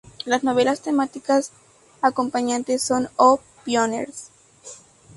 Las novelas temáticas acompañantes son "O Pioneers!